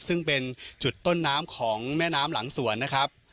ซึ่งเป็นจุดต้นน้ำของแม่น้ำหลังสวนนะครับ